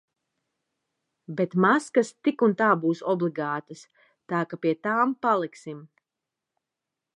Bet maskas tik un tā būs obligātās, tā ka pie tām paliksim.